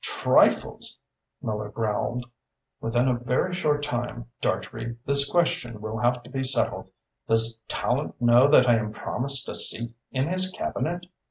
"Trifles!" Miller growled. "Within a very short time, Dartrey, this question will have to be settled. Does Tallente know that I am promised a seat in his Cabinet?"